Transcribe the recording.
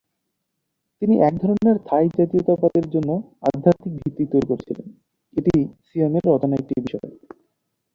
তিনি এক ধরনের থাই জাতীয়তাবাদের জন্য আধ্যাত্মিক ভিত্তি তৈরি করেছিলেন, এটি সিয়ামের অজানা একটি বিষয়।